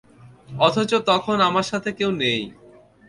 অথচ তখন আমার সাথে কেউ নেই।